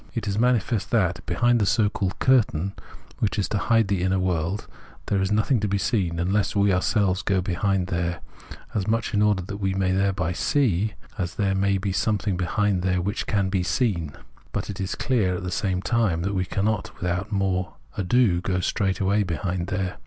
It is manifest that behind the so called curtain, which is to hide the inner world, there is nothing to be seen unless we ourselves go behind there, as much in order that we may thereby see, as that there may be something behind there which can be seen. But it is clear at the same time that we cannot without more ado go straightway behind there.